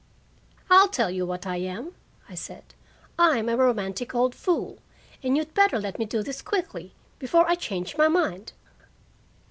"I'll tell you what I am," I said. "I'm a romantic old fool, and you'd better let me do this quickly, before I change my mind."